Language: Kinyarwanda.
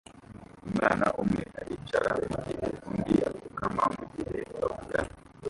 Umwana umwe aricara mugihe undi apfukama mugihe bavugana